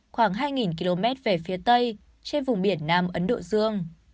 khoảng hai km về phía tây trên vùng biển nam ấn độ dương